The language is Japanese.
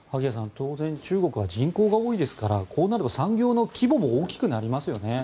当然中国は人口が多いですからこうなると産業の規模も大きくなりますよね。